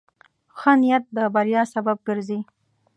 ښه نیت د بریا سبب ګرځي.